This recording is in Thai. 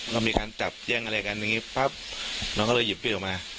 ก็มีการจับแย่งอะไรกันอย่างนี้ปั๊บน้องก็เลยหยิบมีดออกมา